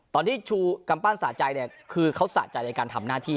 ที่ชูกำปั้นสะใจเนี่ยคือเขาสะใจในการทำหน้าที่